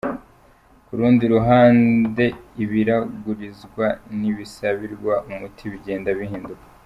Ku rundi ruhande, ibiragurizwa n’ibisabirwa umuti bigenda bihinduka.